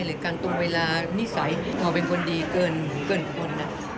การตรงเวลานิสัยเราเป็นคนดีเกินคน